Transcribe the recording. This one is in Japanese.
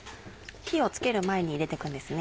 火を付ける前に入れて行くんですね。